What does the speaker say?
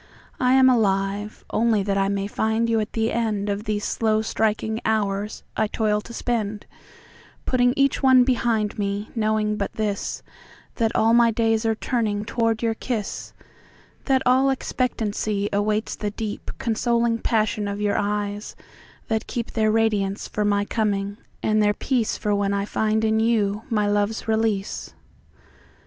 I am aliveOnly that I may find you at the endOf these slow striking hours I toil to spend, Putting each one behind me, knowing but this—That all my days are turning toward your kiss; That all expectancy awaits the deepConsoling passion of your eyes, that keepTheir radiance for my coming, and their peaceFor when I find in you my love's release.